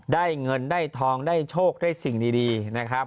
ได้เงินได้ทองได้โชคได้สิ่งดีนะครับ